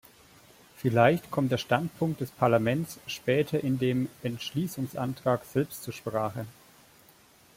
Vielleicht kommt der Standpunkt des Parlaments später in dem Entschließungsantrag selbst zur Sprache.